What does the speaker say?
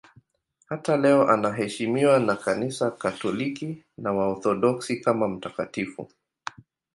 Hata leo anaheshimiwa na Kanisa Katoliki na Waorthodoksi kama mtakatifu.